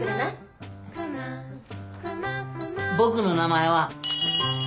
僕の名前は。